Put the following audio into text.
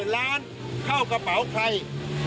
๓๐๐๐๐ล้านเข้ากระเป๋าใคร